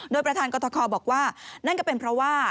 โดยประธานกรทคบอกว่านั่นก็เป็นเพราะว่า